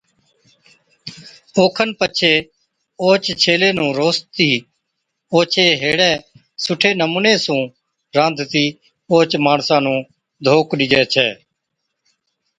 اوکن پڇي اوھچ ڇيلي نُون روسڙاتِي اوڇَي ھيڙَي سُٺي نمُوني سُون رانڌتِي اوھچ ماڻسا نُون ڌوڪ ڏِجَي ڇَي